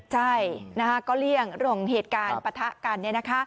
ใช่ก็เลี่ยงเรื่องเหตุการณ์ปะทะกัน